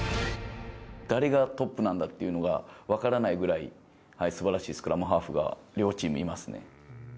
誰がトップなんだっていうのが、分からないぐらい、すばらしいスクラムハーフが両チームいますね。